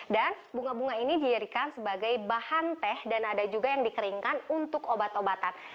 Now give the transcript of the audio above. dan bunga bunga ini dijadikan sebagai bahan teh dan ada juga yang dikeringkan untuk obat obatan